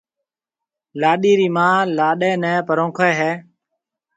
لاڏَي رِي مان لاڏِي نيَ پرونکيَ ھيََََ